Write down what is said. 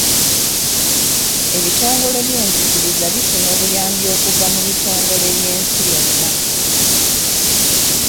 Ebitongole byenzikiriza bifuna obuyambi okuva mu bitongole by'ensi yonna.